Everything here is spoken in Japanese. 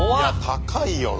高いよな。